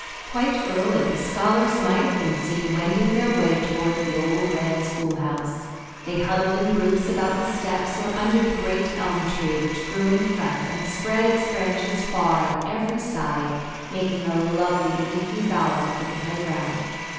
Quite early the scholars might have been seen wending their way toward the old red school house. They huddled in groups about the steps or under the great elm tree which grew in front and spread its branches far on every side, making a lovely leafy bower for the playground.